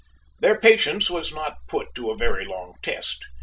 Their patience was not put to a very long test.